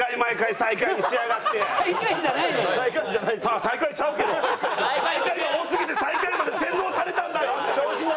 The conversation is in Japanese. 最下位が多すぎて最下位まで洗脳されたんだよ。